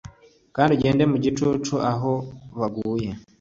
Kandi ugende mu gicucu aho baguye